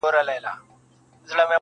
پر زولنو یې دي لیکلي لېونۍ سندري؛